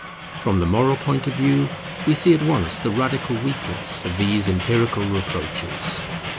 From the moral point of view we see at once the radical weakness of these empirical reproaches.